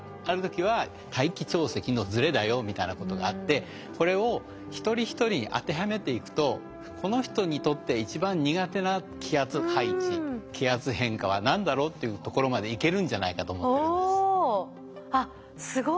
ある時は大気潮汐のズレだよみたいなことがあってこれを一人一人当てはめていくとこの人にとって一番苦手な気圧配置気圧変化は何だろうというところまでいけるんじゃないかと思ってるんです。